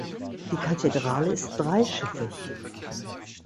Die Kathedrale ist dreischiffig.